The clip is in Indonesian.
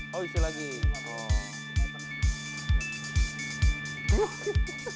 hai oisi lagi